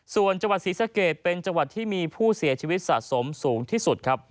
ส่วนจังหวัดศรีสะเกดเป็นจังหวัดที่มีผู้เสียชีวิตสะสมสูงที่สุดครับ